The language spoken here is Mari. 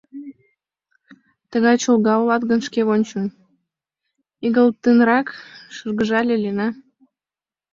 — Тыгай чолга улат гын, шке вончо, — игылтынрак шыргыжале Лена.